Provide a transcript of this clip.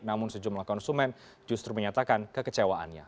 namun sejumlah konsumen justru menyatakan kekecewaannya